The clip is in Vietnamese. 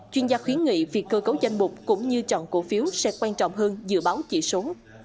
chuyên gia khuyến nghị việc cơ cấu danh mục cũng như chọn cổ phiếu sẽ quan trọng hơn dự báo chỉ số